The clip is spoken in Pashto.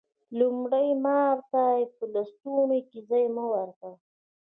لومړی: مار ته په لستوڼي کی ځای مه ورکوه